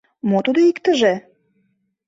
Мо тудо иктыже?